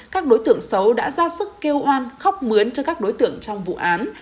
các đối tượng xấu đã ra sức kêu oan khóc mướn cho các đối tượng trong vụ án